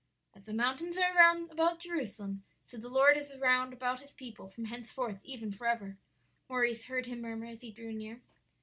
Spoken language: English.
"'"As the mountains are round about Jerusalem, so the Lord is round about His people from henceforth even forever,"' Maurice heard him murmur as he drew near.